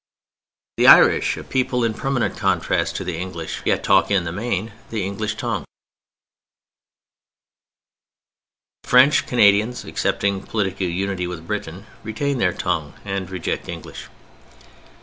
The Irish, a people in permanent contrast to the English, yet talk in the main the English tongue. The French Canadians, accepting political unity with Britain, retain their tongue and reject English.